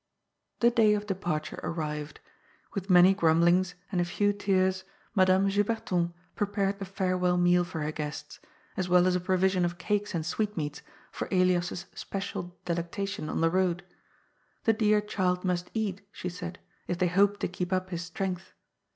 The day of departure arrived. With many grumblings, and a few tears, Madame Juberton prepared the farewell meal for her guests, as well as a provision of cakes and sweetmeats for Elias's special delectation on the road. The dear child must eat, she said, if they hoped to keep up his strength.